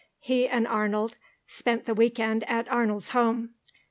He and Arnold spent the week end at Arnold's home.